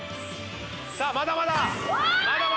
さあまだまだ。うわ！